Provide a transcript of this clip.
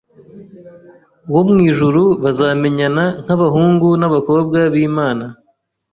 wo mu ijuru bazamenyana nk’abahungu n’abakobwa b’Imana.